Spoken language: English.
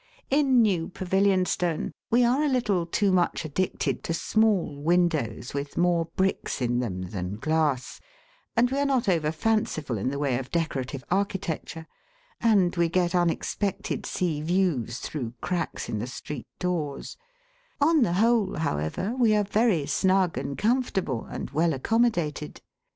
In New Pavilionstone we are a little too much addicted to small windows with more bricks in them than glass, and we are not over fanciful in the way of decorative architecture, and we get unexpected sea views through cracks in the street doors; on the whole, however, we are very snug and comfortable, and well accommodated.